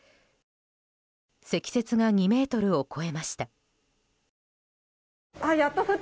積雪が２ｍを超えました。